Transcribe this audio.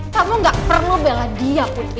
kamu gak perlu bela dia putri